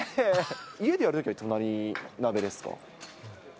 家でやるときはいつも何鍋ですか。